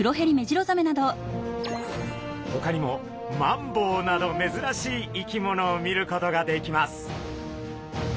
ほかにもマンボウなどめずらしい生き物を見ることができます。